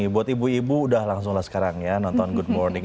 buat ibu ibu udah langsung lah sekarang ya nonton good morning